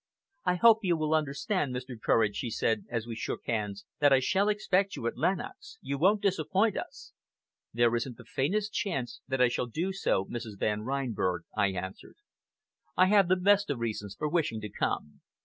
"I hope you will understand, Mr. Courage," she said, as we shook hands, "that I shall expect you at Lenox. You won't disappoint us?" "There isn't the faintest chance that I shall do so, Mrs. Van Reinberg," I answered. "I have the best of reasons for wishing to come."